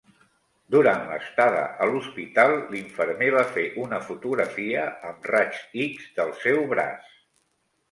Durant l'estada a l'hospital, l'infermer va fer una fotografia amb raigs X del seu braç.